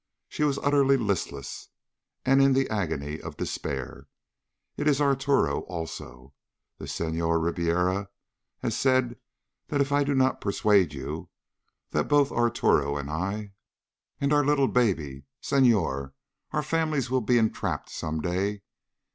She was utterly listless, and in the agony of despair. "It is Arturo, also. The Senhor Ribiera has said that if I do not persuade you, that both Arturo and I.... And our little baby, Senhor!... Our families also will be entrapped some day.